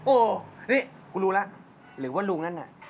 โอ้นี่กูรู้แล้วหรือว่าลุงนั่นน่ะ